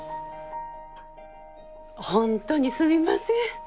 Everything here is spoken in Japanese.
本当にすみません。